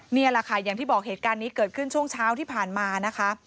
นี่แหละค่ะอย่างที่บอกเหตุการณ์นี้เกิดขึ้นช่วงเช้าที่ผ่านมานะคะ